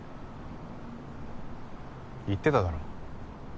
言ってただろ。